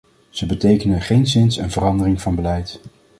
Ze betekenen geenszins een verandering van beleid.